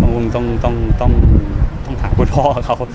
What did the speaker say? บางทีต้องต้องต้องต้องถามคุณพ่อเขา